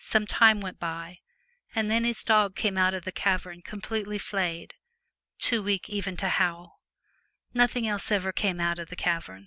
Some time went by, and then his dog came out of the cavern completely flayed, too weak even to howl. Nothing else ever came out of the cavern.